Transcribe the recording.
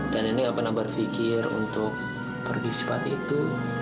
dan nenek gak pernah berfikir untuk pergi sempat itu